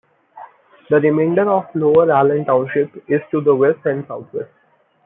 The remainder of Lower Allen Township is to the west and southwest.